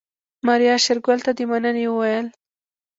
ماريا شېرګل ته د مننې وويل.